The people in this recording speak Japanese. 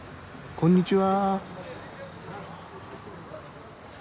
こんにちは。